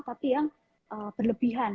tapi yang berlebihan